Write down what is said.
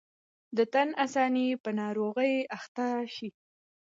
د تن آساني په ناروغۍ اخته شي.